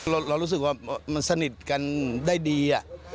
เรารู้สึกว่ามันสนิทกันได้ดี